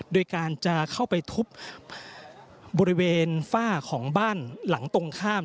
โดยการจะเข้าไปทุบบริเวณฝ้าของบ้านหลังตรงข้าม